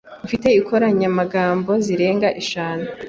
Afite inkoranyamagambo zirenga eshanu.